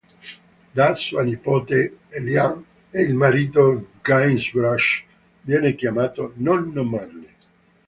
Da sua nipote Elaine e il marito Guybrush viene chiamato "nonno Marley".